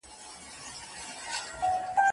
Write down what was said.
نن به ریږدي د فرنګ د زوی ورنونه